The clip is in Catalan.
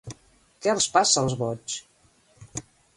Què els passa als boigs?